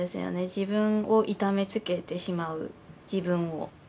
自分を痛めつけてしまう自分を。